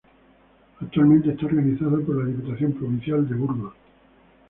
Actualmente está organizada por la Diputación Provincial de Burgos.